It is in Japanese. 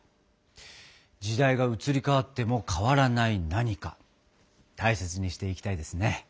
時代が移り変わっても変わらない何か大切にしていきたいですね。